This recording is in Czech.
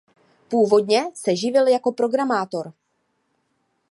Původně se živil jako programátor.